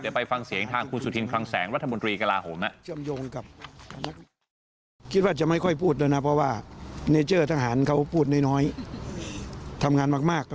เดี๋ยวไปฟังเสียงทางคุณสุธินคลังแสงรัฐมนตรีกระลาโหม